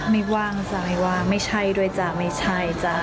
ไม่ว่างใจว่าไม่ใช่ด้วยจ้ะไม่ใช่จ้ะ